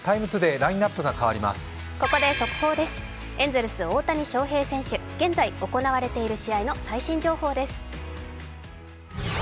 エンゼルス・大谷翔平選手、現在行われている試合の最新情報です。